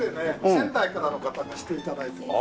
仙台からの方にして頂いてます。